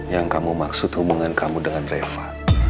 yang kamu maksud hubungan kamu dengan reva